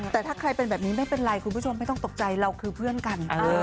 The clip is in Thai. แต่ถ้าใครเป็นแบบนี้ไม่เป็นไรคุณผู้ชมไม่ต้องตกใจเราคือเพื่อนกัน